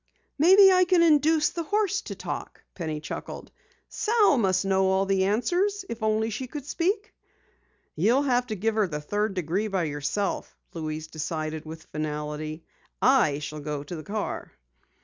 "Maybe I can induce the horse to talk," Penny chuckled. "Sal must know all the answers, if only she could speak." "You'll have to give her the third degree by yourself," Louise decided with finality. "I shall go to the car."